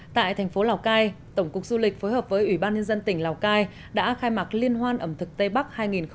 tại thành phố lào cai tổng cục du lịch phối hợp với ủy ban nhân dân tỉnh lào cai đã khai mạc liên hoan ẩm thực tây bắc hai nghìn hai mươi